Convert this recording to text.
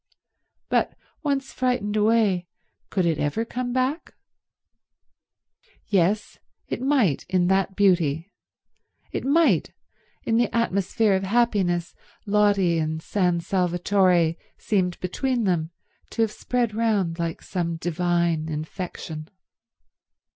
But once frightened away, could it ever come back? Yes, it might in that beauty, it might in the atmosphere of happiness Lotty and San Salvatore seemed between them to spread round like some divine infection.